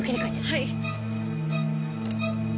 はい。